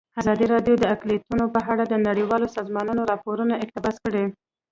ازادي راډیو د اقلیتونه په اړه د نړیوالو سازمانونو راپورونه اقتباس کړي.